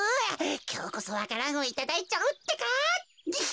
きょうこそわか蘭をいただいちゃうってか。ニヒ。